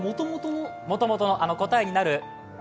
もともとの答えになる